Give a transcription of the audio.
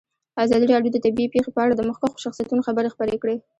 ازادي راډیو د طبیعي پېښې په اړه د مخکښو شخصیتونو خبرې خپرې کړي.